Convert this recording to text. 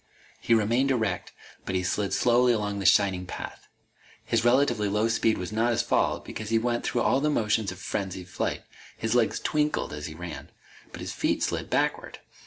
He remained erect, but he slid slowly along that shining path. His relatively low speed was not his fault, because he went through all the motions of frenzied flight. His legs twinkled as he ran. But his feet slid backward.